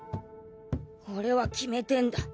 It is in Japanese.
俺は決めてんだ。